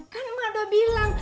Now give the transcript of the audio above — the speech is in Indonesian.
kan ma udah bilang